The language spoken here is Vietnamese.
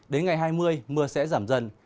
đến ngày hai mươi mưa sẽ giảm dần